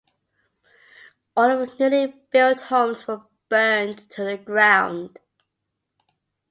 All of the newly built homes were burned to the ground.